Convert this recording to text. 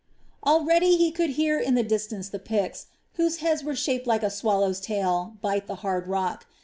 Already he could hear in the distance the picks, whose heads were shaped like a swallow's tail, bite the hard rock.